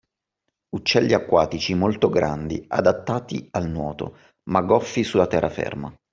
Uccelli acquatici molto grandi, adattati al nuoto, ma goffi sulla terraferma.